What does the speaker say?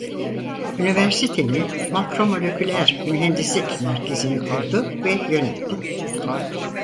Üniversitenin Makromoleküler Mühendislik Merkezi'ni kurdu ve yönetti.